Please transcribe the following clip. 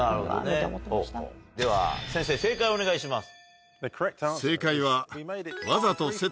なるほどねでは先生正解をお願いします。